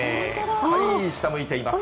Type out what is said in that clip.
はい、下向いています。